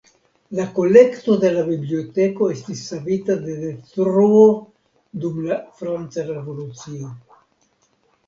La kolekto de la biblioteko estis savita de detruo dum la franca Revolucio.